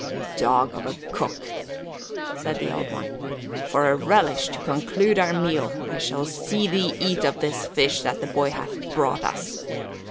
"Dog of a cook," said the Old One, "for a relish to conclude our meal, we shall see thee eat of this fish that the boy hath brought us."